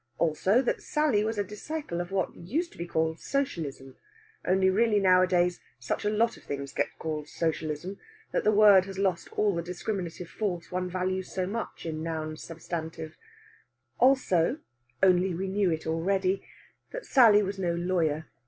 Also that Sally was a disciple of what used to be called Socialism; only really nowadays such a lot of things get called Socialism that the word has lost all the discriminative force one values so much in nouns substantive. Also (only we knew it already) that Sally was no lawyer.